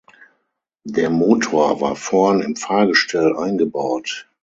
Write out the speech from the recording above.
Der Motor war vorn im Fahrgestell eingebaut.